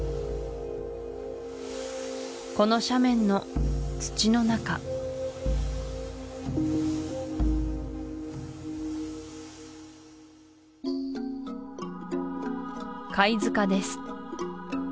この斜面の土の中貝塚です